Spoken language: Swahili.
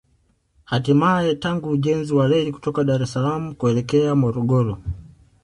Hatimae tangu ujenzi wa reli kutoka Dar es Salaam kuelekea Morogoro